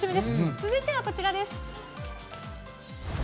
続いてはこちらです。